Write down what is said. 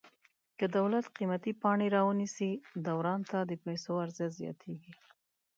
که دولت قیمتي پاڼې را ونیسي دوران ته د پیسو عرضه زیاتیږي.